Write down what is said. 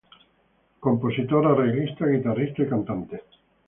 Compositor, arreglista, guitarrista y cantante.